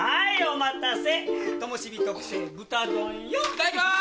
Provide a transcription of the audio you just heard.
いただきます！